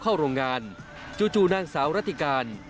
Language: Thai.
เข้าโรงงานจู่นางสาวรัติการ